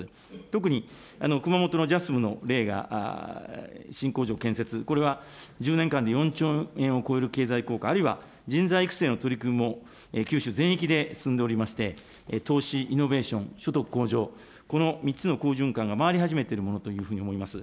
特に熊本のジャスムの例が、新工場建設、これは１０年間で４兆円を超える経済効果、あるいは人材育成の取り組みも九州全域で進んでおりまして、投資イノベーション、所得向上、この３つの好循環が回り始めているものというふうに思います。